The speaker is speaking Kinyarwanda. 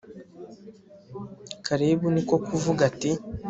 kalebu ni ko kuvuga ati